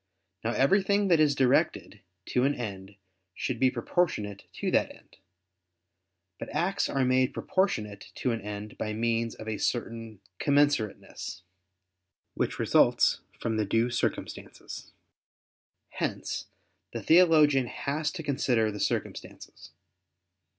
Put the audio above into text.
Now, everything that is directed to an end should be proportionate to that end. But acts are made proportionate to an end by means of a certain commensurateness, which results from the due circumstances. Hence the theologian has to consider the circumstances.